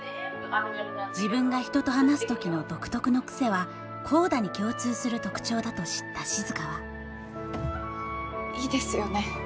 自分が人と話す時の独特の癖はＣＯＤＡに共通する特徴だと知った静はいいですよね